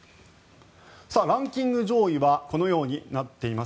ランキング上位はこのようになっています。